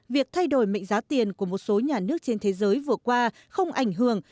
việc thay đổi mệnh giá tiền của một số nhà nước trên thế giới vừa qua không ảnh hưởng